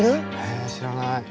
え知らない。